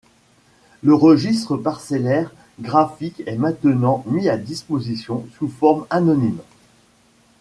Le registre parcellaire graphique est maintenant mis à disposition sous forme anonyme.